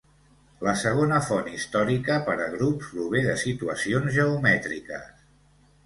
La segona font històrica per a grups prové de situacions geomètriques.